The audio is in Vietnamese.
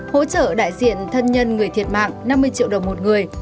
hỗ trợ đại diện thân nhân người thiệt mạng năm mươi triệu đồng một người